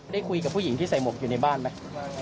ได้คุยกับผู้หญิงที่ใส่หมวกอยู่ในบ้านไหม